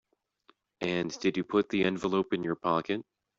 And did you put the envelope in your pocket?